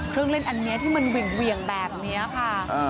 เครื่องเล่นอันนี้ที่มันเหวี่ยงแบบนี้ค่ะ